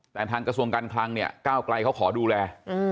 แต่ทางกระทรวงการคลังเนี่ยก้าวไกลเขาขอดูแล